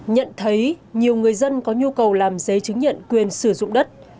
nhận thấy nhiều người dân có nhu cầu làm giấy chứng nhận quyền sử dụng đất